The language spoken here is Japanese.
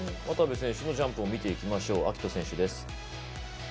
渡部選手のジャンプを見ていきましょう暁斗選手です。